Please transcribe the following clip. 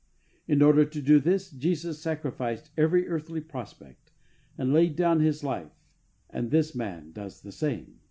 In order to do this, Jesus sacrificed every earthly prospect, and laid down His life, and this man does the same.